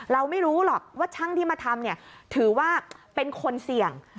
เราไม่รู้หรอกว่าช่างที่มาทำถือว่าเป็นคนเสี่ยง